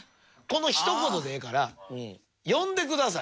このひと言でええから呼んでくださいと。